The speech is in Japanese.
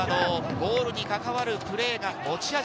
ゴールに関わるプレーが持ち味。